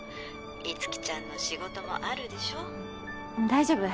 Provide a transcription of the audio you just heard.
樹ちゃんの仕事もあるでしょ大丈夫。